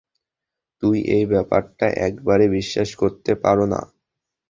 তুমি এই ব্যাপারটা একেবারে বিশ্বাস করতে পারো না।